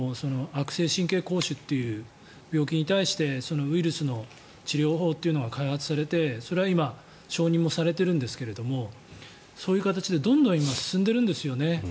脳腫瘍の中でもウイルスの治療法というのが開発されてそれは今承認されているんですがそういう形でどんどん今、進んでいるんですよね。